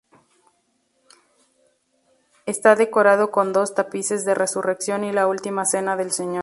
Esta decorado con dos tapices de resurrección y la última Cena del Señor.